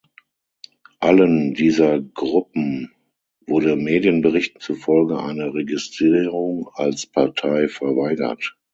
Allen dieser Gruppen wurde Medienberichten zufolge eine Registrierung als Partei verweigert.